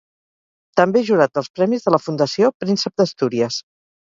També és Jurat dels Premis de la Fundació Príncep d'Astúries.